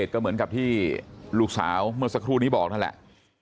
ก็เหมือนกับที่ลูกสาวเมื่อสักครู่นี้บอกนั่นแหละ